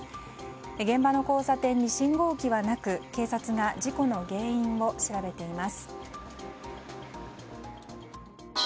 現場の交差点に信号機はなく警察が事故の原因を調べています。